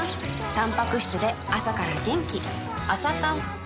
たんぱく質で朝から元気